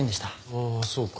ああそうか。